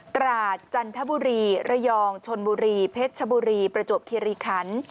ตราดจันทบุรีระยองชนบุรีเพชรชบุรีประจวบคิริคัน